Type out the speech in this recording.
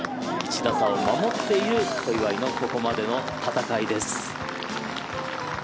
１打差を守っている小祝のここまでの戦いです。